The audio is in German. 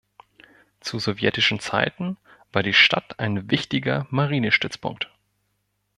Zu sowjetischen Zeiten war die Stadt ein wichtiger Marinestützpunkt.